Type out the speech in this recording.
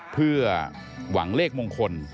เพื่อหวังเลขมงคล